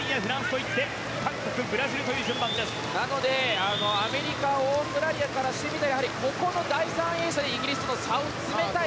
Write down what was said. なので、アメリカオーストラリアからしてみたらやはりここの第３泳者で差を詰めたい。